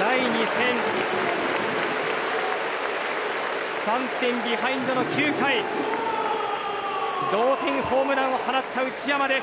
第２戦、３点ビハインドの９回同点ホームランを放った内山です。